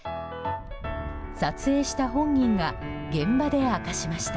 撮影した本人が現場で明かしました。